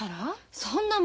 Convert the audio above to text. そんなもん